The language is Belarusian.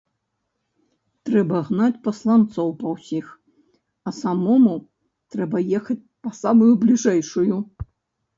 Трэба гнаць пасланцоў па ўсіх, а самому трэба ехаць па самую бліжэйшую.